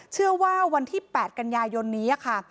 เชื่อว่าวันที่๘กันยายนนี้ค่ะ